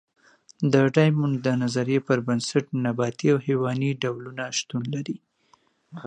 د ډایمونډ د نظریې پر بنسټ نباتي او حیواني ډولونه شتون لري.